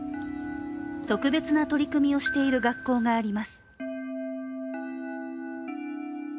特別な取り組みをしている学校があります。